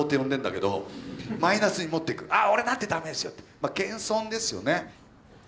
まあ謙遜ですよね。